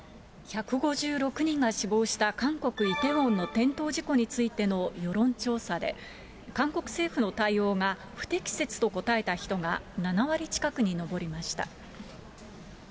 １５６人が死亡した韓国・イテウォンの転倒事故についての世論調査で、韓国政府の対応が不適切と答えた人が７割近くに上りました。